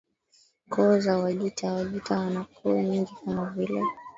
Koo za Wajita Wajita wana koo nyingi kama vile